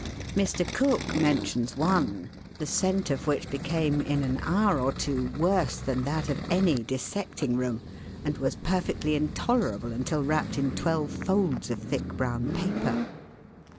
Mr. Cooke mentions one, the scent of which became in an hour or two worse than that of any dissecting room, and was perfectly intolerable until wrapped in twelve folds of thick brown paper.